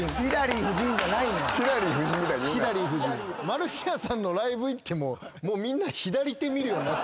マルシアさんのライブ行ってももうみんな。